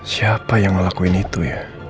siapa yang ngelakuin itu ya